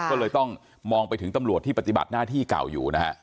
ก็เลยต้องมองไปถึงตำรวจที่ปฏิบัติหน้าที่เก่าอยู่นะฮะ